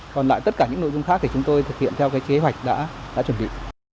còn lại tất cả những nội dung khác thì chúng tôi thực hiện theo kế hoạch đã chuẩn bị